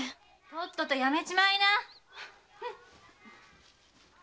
とっととやめちまいな！